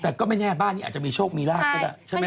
แต่ก็ไม่แน่บ้านนี้อาจจะมีโชคมีลาบก็ได้ใช่ไหม